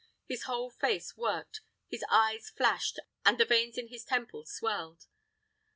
His whole face worked, his eyes flashed, and the veins in his temple swelled.